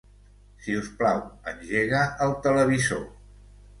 Si us plau, engega el televisor.